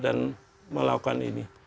dan melakukan ini